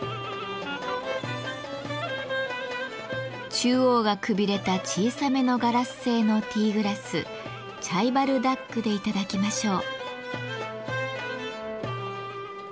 中央がくびれた小さめのガラス製のティーグラスチャイバルダックで頂きましょう。